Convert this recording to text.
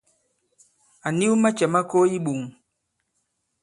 À niw macɛ̌ ma ko i iɓoŋ.